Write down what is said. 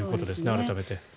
改めて。